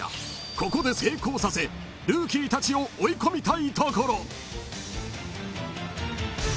ここで成功させルーキーたちを追い込みたいところ］